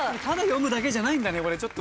ただ読むだけじゃないんだねこれ。